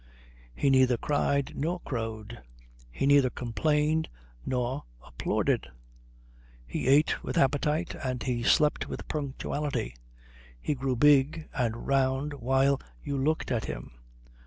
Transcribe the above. He neither cried nor crowed. He neither complained nor applauded. He ate with appetite and he slept with punctuality. He grew big and round while you looked at him.